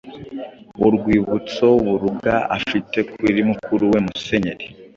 Urwibutso Buruga afite kuri mukuru we Musenyeri